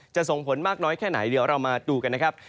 ส่งผลมากน้อยแค่ไหนเดี๋ยวเรามาดูกันนะครับ